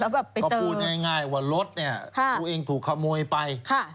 ก็พูดง่ายว่ารถเนี่ยตัวเองถูกขโมยไป